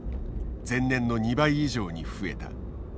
前年の２倍以上に増えた。